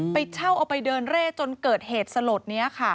ไปเช่าเอาไปเดินเร่จนเกิดเหตุสลดนี้ค่ะ